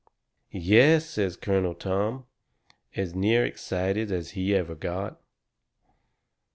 "Yes!" says Colonel Tom, as near excited as he ever got.